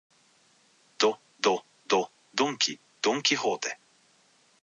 ど、ど、ど、ドンキ、ドンキホーテ